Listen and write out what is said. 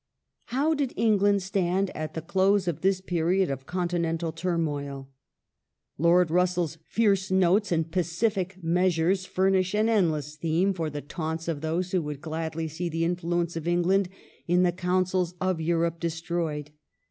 How did England stand at the close of this period of continental Position of turmoil ?" Lord RusselPs fierce notes and pacific measui es furnish ^"gland an endless theme for the taunts of those who would gladly see the influence of England in the councils of Europe destroyed."